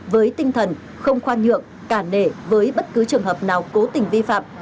với tinh thần không khoan nhượng cả nể với bất cứ trường hợp nào cố tình vi phạm